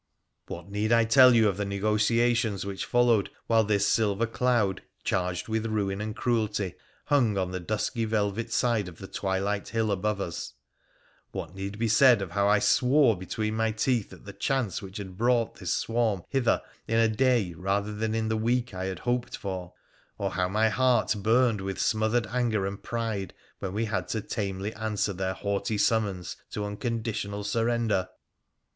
What need I tell you of the negotiations which followed while this silver cloud, charged with ruin and cruelty, hung on the dusky velvet side of the twilight hill above us ? What need be said of how I swore between my teeth at the chance which had brought this swarm hither in a day rather than in the week I had hoped for, or how my heart burned witli smothered anger and pride when we had to tamely answer their haughty summons to unconditional surrender